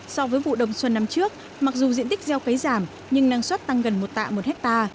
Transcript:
so với vụ đông xuân năm trước mặc dù diện tích gieo cấy giảm nhưng năng suất tăng gần một tạ một ha